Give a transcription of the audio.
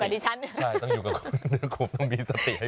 ต้องอยู่กับดิฉัน